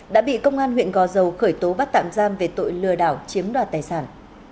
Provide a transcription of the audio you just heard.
đã bị công an huyện gò dầu khởi tố bắt tạm giam về tội lừa đảo chiếm đoạt tài sản